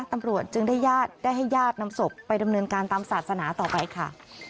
ตำรวจจึงได้ญาติได้ให้ญาตินำศพไปดำเนินการตามศาสนาต่อไปค่ะ